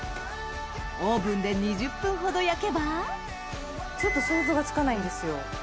オーブンで２０分ほど焼けばちょっと想像がつかないんですよ。